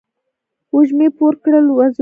وږمې پور کړل وزرونه